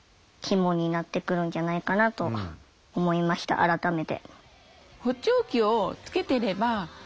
改めて。